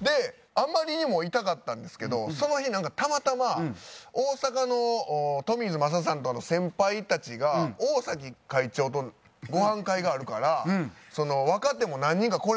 であまりにも痛かったんですけどその日なんかたまたま大阪のトミーズ雅さんとかの先輩たちが大会長とごはん会があるから若手も何人か来れるヤツ来い！